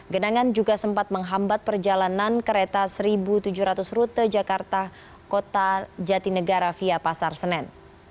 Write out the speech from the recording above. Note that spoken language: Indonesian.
genangan juga sempat menghambat perjalanan kereta seribu tujuh ratus rute jakarta kota jatinegara via pasar senen